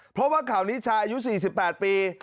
เพราะว่าข่าวนี้ชายอายุ๔๘ปี